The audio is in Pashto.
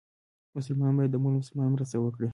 مسلمان باید د بل مسلمان مرسته وکړي.